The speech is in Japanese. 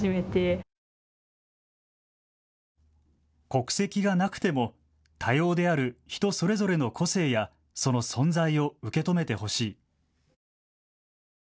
国籍がなくても多様である人それぞれの個性やその存在を受け止めてほしい。